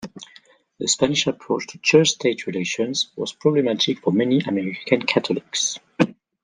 The Spanish approach to church-state relations was problematic for many American Catholics.